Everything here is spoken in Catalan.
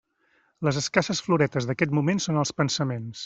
Les escasses floretes d'aquest moment són els pensaments.